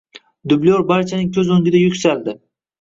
Dublyor barchaning koʻz oʻngida yuksaldi.